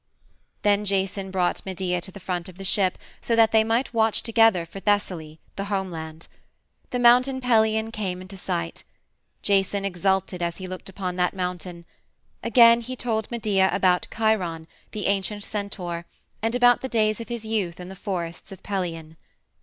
Then Jason brought Medea to the front of the ship so that they might watch together for Thessaly, the homeland. The Mountain Pelion came into sight. Jason exulted as he looked upon that mountain; again he told Medea about Chiron, the ancient centaur, and about the days of his youth in the forests of Pelion.